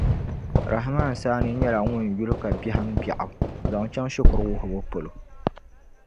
Rahman Saani nyɛla ŋun yuli ka biɛhim' bɛɣu zaŋ chaŋ shikuru wuhibu polo.